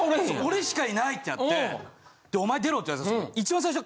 俺しかいないってなってで「お前出ろ」って言われたんですよ。